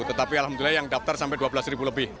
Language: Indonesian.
tetapi alhamdulillah yang daftar sampai dua belas ribu lebih